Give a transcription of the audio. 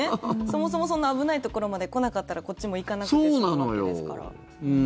そもそもそんな危ないところまで来なかったらこっちも行かなくて済むわけですから。